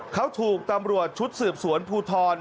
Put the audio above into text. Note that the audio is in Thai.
เขาถูกตำรวจชุดสืบสวนภูทร